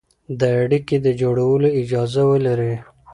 د اړيکې د جوړولو اجازه ولري،